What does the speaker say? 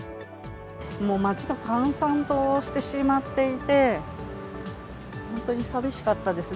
もう、街が閑散としてしまっていて、本当にさみしかったです。